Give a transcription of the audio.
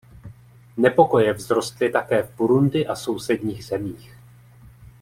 Nepokoje vzrostly také v Burundi a sousedních zemích.